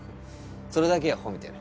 それだけは褒めてやる。